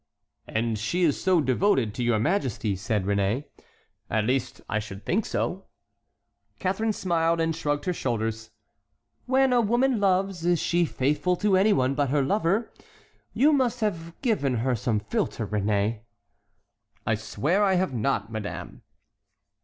"And she is so devoted to your majesty," said Réné. "At least I should think so." Catharine smiled and shrugged her shoulders. "When a woman loves, is she faithful to any one but her lover? You must have given her some philter, Réné." "I swear I have not, madame."